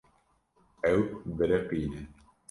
Ew biriqîne.